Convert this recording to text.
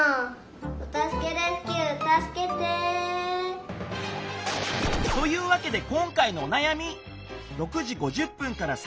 お助けレスキューたすけて！というわけで今回のおなやみ！